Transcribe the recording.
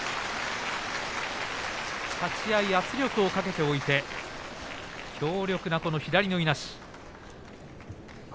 立ち合い圧力をかけておいて強力な左のいなし。